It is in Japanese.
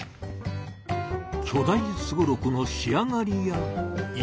巨大すごろくの仕上がりやいかに？